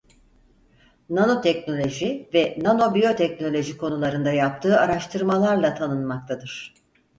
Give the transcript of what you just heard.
Nanoteknoloji ve nanobiyoteknoloji konularında yaptığı araştırmalarla tanınmaktadır.